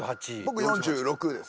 僕４６ですね。